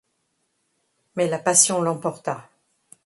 Mais la passion l’emporta.